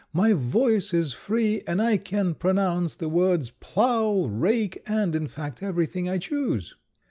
my voice is free, and I can pronounce the words 'plough,' 'rake,' and, in fact, everything I choose!"